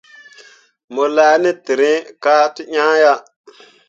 Mo laa ne tǝrîi ka te ŋaa ah.